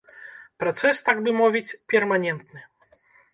Працэс, так бы мовіць, перманентны.